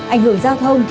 ảnh hưởng giao thông